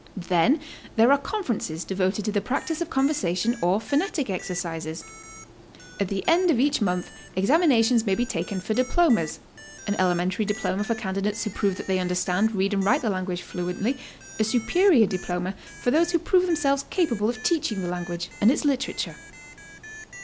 Then there are conferences devoted to the practice of conversation or phonetic exercises. At the end of each month examinations may be taken for diplomas, — an ele mentary diploma for candidates who prove that they under stand, read and write the language fluently, a superior diploma for those who prove themselves capable of teaching the language and its literature.